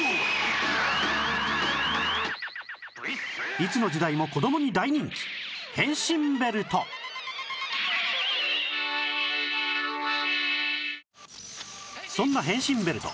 いつの時代も子供に大人気そんな変身ベルト